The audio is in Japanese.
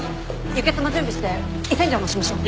輸血も準備して胃洗浄もしましょう。